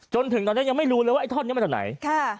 จนถึงตอนนี้ยังไม่รู้เลยว่าไอ้ท่อนนี้มาจากไหน